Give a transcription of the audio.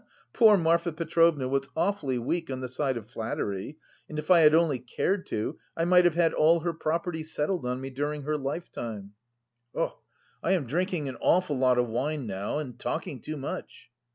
Poor Marfa Petrovna was awfully weak on the side of flattery, and if I had only cared to, I might have had all her property settled on me during her lifetime. (I am drinking an awful lot of wine now and talking too much.)